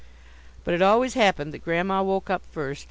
But it always happened that Grandma woke up first.